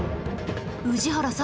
宇治原さん